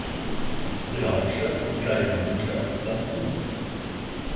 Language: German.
Ihre Hauptstadt ist die gleichnamige Stadt Las Tunas.